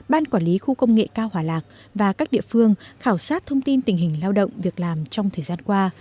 ban quản lý khu công nghệ cao hòa lạc và các địa phương khảo sát thông tin tình hình lao động việc làm trong thời gian qua